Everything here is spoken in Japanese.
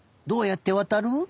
どうやってわたる？